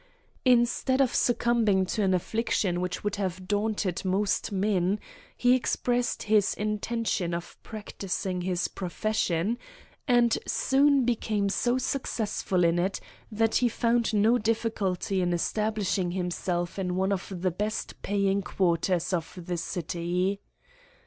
Instead of succumbing to an affliction which would have daunted most men, he expressed his intention of practising his profession, and soon became so successful in it that he found no difficulty in establishing himself in one of the best paying quarters of the city.